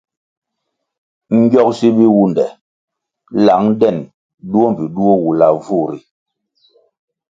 Ngyogsi biwunde lang den duo mbpi duo wulavu ri.